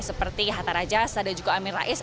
seperti hatta rajas ada juga amin rais